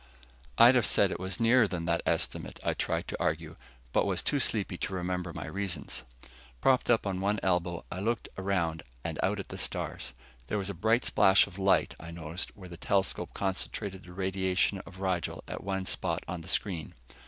"I'd have said it was nearer than the estimate," I tried to argue, but was too sleepy to remember my reasons. Propped up on one elbow, I looked around and out at the stars. There was a bright splash of light, I noticed, where the telescope concentrated the radiation of Rigel at one spot on the screen.